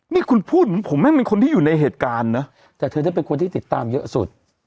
นี่คุณพูดผมแม่งเป็นคนที่อยู่ในเหตุการณ์นะแต่เธอจะเป็นคนที่ติดตามเยอะสุด